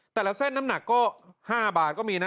แต่ละเส้นน้ำหนักก็๕บาทก็มีนะ